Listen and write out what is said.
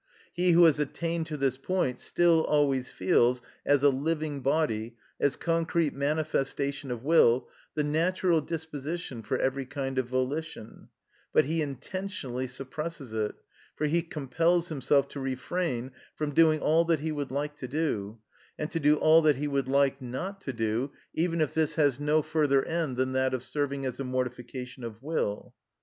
He who has attained to this point, still always feels, as a living body, as concrete manifestation of will, the natural disposition for every kind of volition; but he intentionally suppresses it, for he compels himself to refrain from doing all that he would like to do, and to do all that he would like not to do, even if this has no further end than that of serving as a mortification of will.